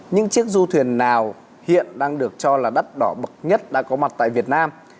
những chiếc du thuyền nào hiện đang được cho là đất đỏ bậc nhất đã có mặt tại việt nam